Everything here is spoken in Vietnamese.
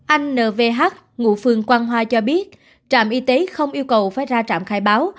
anh nvh ngụ phường quang hoa cho biết trạm y tế không yêu cầu phải ra trạm khai báo